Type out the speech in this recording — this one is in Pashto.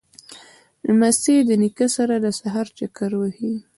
لمسی له نیکه سره د سهار چکر وهي.